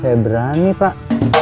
lai leopard ini sih